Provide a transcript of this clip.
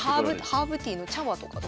ハーブティーの茶葉とか。